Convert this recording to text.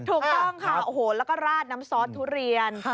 ถูกต้องค่ะโอ้โหแล้วก็ราดน้ำซอสทุเรียน